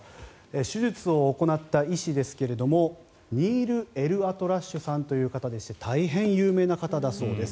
手術を行った医師ですがニール・エルアトラッシュさんという方でして大変有名な方だそうです。